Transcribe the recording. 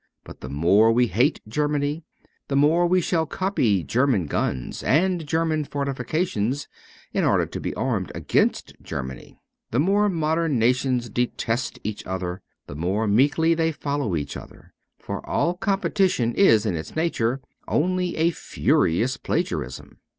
But the more we hate Germany the more we shall copy German guns and German fortifications in order to be armed against Germany. The more modern nations detest each other the more meekly they follow each other ; for all competition is in its nature only a furious plagiarism.